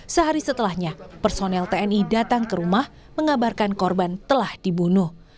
sehari setelahnya personel tni datang ke rumah mengabarkan korban telah dibunuh